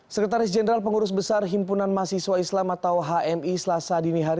sekretaris jenderal pengurus besar himpunan mahasiswa islam atau hmi selasa dinihari